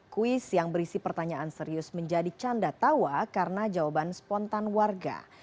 kuis yang berisi pertanyaan serius menjadi canda tawa karena jawaban spontan warga